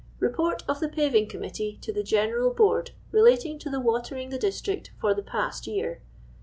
Report of the Paving Committee to the (jcneral Board, relating to the watering the district for tbi* t>ast \Qivc.